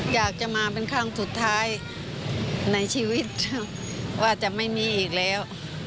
อยากจะมาเป็นครั้งสุดท้ายในชีวิตว่าจะไม่มีอีกแล้ว